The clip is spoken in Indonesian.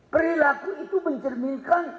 perilaku itu mencerminkan